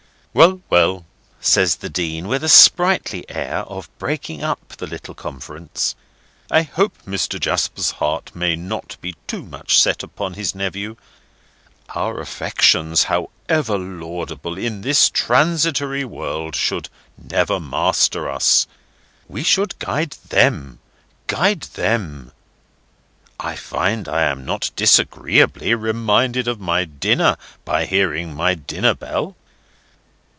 "Well, well," says the Dean, with a sprightly air of breaking up the little conference, "I hope Mr. Jasper's heart may not be too much set upon his nephew. Our affections, however laudable, in this transitory world, should never master us; we should guide them, guide them. I find I am not disagreeably reminded of my dinner, by hearing my dinner bell.